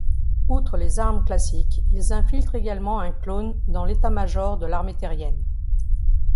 Outre les armes classiques, ils infiltrent également un clone dans l'état-major de l'armée terrienne.